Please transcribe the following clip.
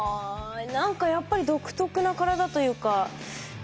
何かやっぱり独特な体というか。